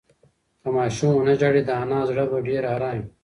که ماشوم ونه ژاړي، د انا زړه به ډېر ارام وي.